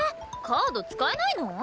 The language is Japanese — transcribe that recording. カード使えないの？